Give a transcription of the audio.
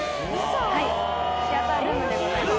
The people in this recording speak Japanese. はいシアタールームでございます。